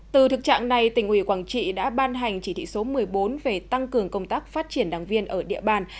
từ thực trạng này tỉnh ủy quảng trị đã ban hành chỉ thị số một mươi bốn về tăng cường công tác phát triển đảng viên ở địa bàn